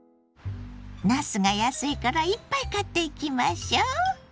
なすが安いからいっぱい買っていきましょう！